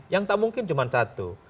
yang tak mungkin cuma satu